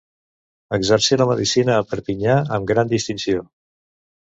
Exercí la medicina a Perpinyà amb gran distinció.